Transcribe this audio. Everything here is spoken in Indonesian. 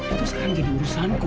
itu sekarang jadi urusanku